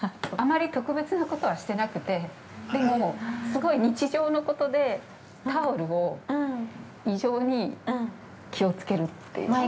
◆あまり特別なことはしてなくて、でもすごい日常のことでタオルを異常に気をつけるっていう。